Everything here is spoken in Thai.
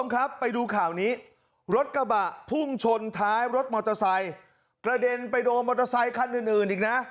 ครับไปดูข่าวนี้รถกระบะพุ่งชนท้ายรถมอเตอร์ไซค์กระเด็นไปโดนมอเตอร์ไซคันอื่นอื่นอีกนะ